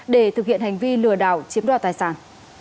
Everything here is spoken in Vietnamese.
để thực hiện hành vi lừa đảo chiếm đoạt tài sản